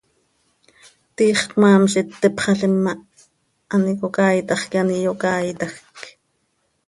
Tiix cmaam z itteepxalim ma, an icocaaitax quih an iyocaaitajc.